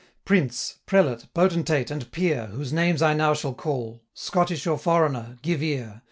'Prince, prelate, potentate, and peer, Whose names I now shall call, Scottish, or foreigner, give ear!